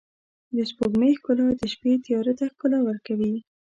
د سپوږمۍ ښکلا د شپې تیاره ته ښکلا ورکوي.